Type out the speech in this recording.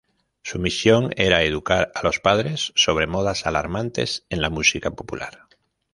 Su misión era educar a los padres sobre "modas alarmantes" en la música popular.